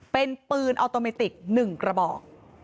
เป็นปืนออโตเมติก๑กระบอก